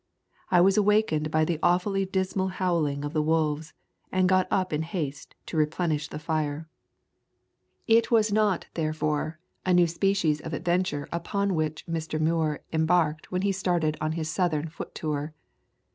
I was awakened by the awfully dismal howling of the wolves, and got up in haste to replenish the fire."' [x] Introduction It was not, therefore, a new species of ad venture upon which Mr. Muir embarked when he started on his Southern foot tour.